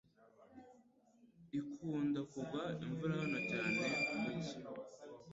Ikunda kugwa imvura hano cyane mu cyi.